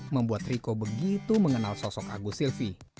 membuat riko begitu mengenal sosok agus silvi